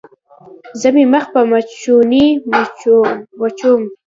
زه مې مخ په مخوچوني وچوم.